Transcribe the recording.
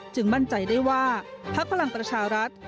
จึงมั่นใจได้ว่าภักดิ์พลังประชารัฐ